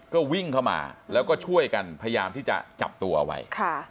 ก็วิ่งเข้ามาแล้วก็ช่วยกันพยายามที่จะจับตัวเอาไว้